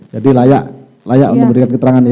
jadi layak untuk memberikan keterangan ya